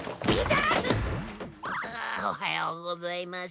おはようございます。